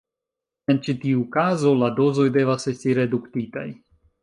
En ĉi tiu kazo, la dozoj devas esti reduktitaj.